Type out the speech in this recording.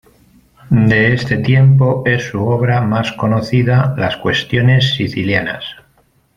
De este tiempo es su obra más conocida, las "Cuestiones Sicilianas".